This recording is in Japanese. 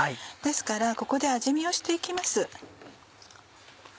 ですからここで味見をして行きます。